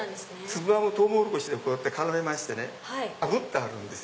つぶあんをトウモロコシで絡めまして炙ってあるんです。